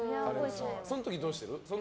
その時はどうしてる？